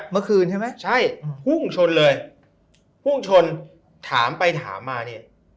เมื่อคืนใช่ไหมใช่พุ่งชนเลยพุ่งชนถามไปถามมานี่